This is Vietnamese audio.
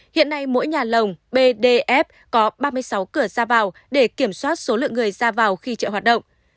hiện nay mỗi nhà lồng bdf có ba mươi sáu cửa ra vào để kiểm soát số lượng người ra vào khi chợ hoạt động